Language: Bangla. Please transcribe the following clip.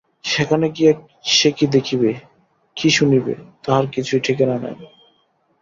সেখানে গিয়া সে কী দেখিবে, কী শুনিবে, তাহার কিছুই ঠিকানা নাই।